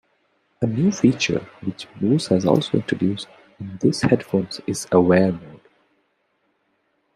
A new feature which Bose has also introduced in these headphones is "Aware Mode".